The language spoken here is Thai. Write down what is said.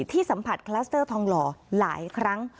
ที่สัมผัสคลัสเตอร์ทองหล่อหลายครั้ง